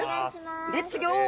レッツギョー！